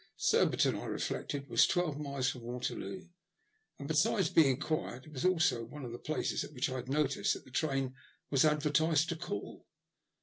Surbiton, I reflected, was twelve miles from Waterloo, and, besides being quiet, it was also one of the places at which I had noticed that the train was advertised to call.